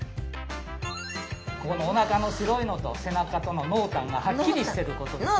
ここのおなかの白いのと背中との濃淡がはっきりしてることですね。